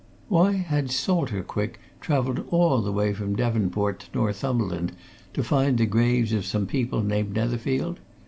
Why had Salter Quick travelled all the way from Devonport to Northumberland to find the graves of some people named Netherfield?